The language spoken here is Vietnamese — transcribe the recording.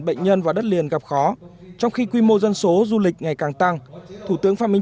bệnh nhân vào đất liền gặp khó trong khi quy mô dân số du lịch ngày càng tăng thủ tướng phạm minh